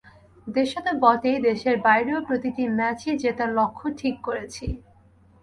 দেশে তো বটেই, দেশের বাইরেও প্রতিটি ম্যাচই জেতার লক্ষ্য ঠিক করেছি।